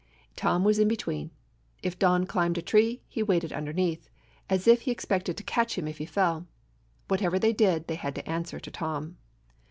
Tom was in between. If Don climbed a tree, he waited underneath, as if he expected to catch him if he fell. Whatever they did, they had to answer to Tom.